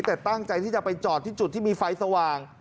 แต่ตั้งใจที่จะไปจอดที่จุดที่มีไฟสว่าง